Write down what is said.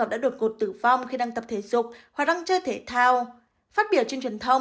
đã đột ngột tử vong khi đang tập thể dục hoặc đang chơi thể thao phát biểu trên truyền thông